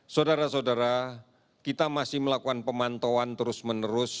saudara saudara kita masih melakukan pemantauan terus menerus